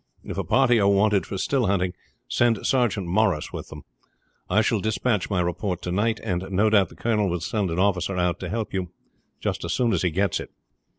If a party are wanted for still hunting send Sergeant Morris with them. I shall dispatch my report to night, and no doubt the colonel will send an officer out to help you as soon as he gets it."